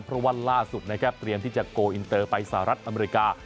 เพราะว่าล่าสุดนะครับเตรียมที่จะโกลอินเตอร์ไปสหรัฐอเมริกา